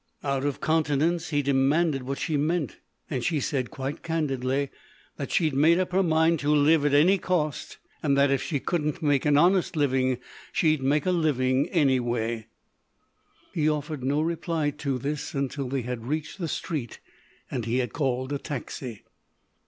Out of countenance, he demanded what she meant, and she said quite candidly that she'd made up her mind to live at any cost, and that if she couldn't make an honest living she'd make a living anyway. He offered no reply to this until they had reached the street and he had called a taxi.